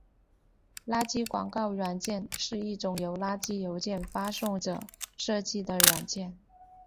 垃圾广告软件是一种由垃圾邮件发送者设计的软件。